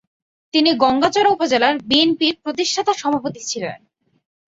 তিনি গংগাচড়া উপজেলার বিএনপির প্রতিষ্ঠাতা সভাপতি ছিলেন।